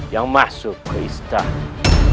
yang masuk ke istana